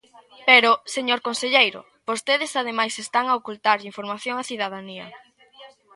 Pero, señor conselleiro, vostedes ademais están a ocultarlle información á cidadanía.